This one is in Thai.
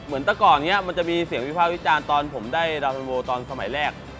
เหมือนตะก่อนเนี่ยมันจะมีเสียงวิพากษ์วิจารณ์ตอนผมได้ดาวน์ทันโวตอนสมัยแรก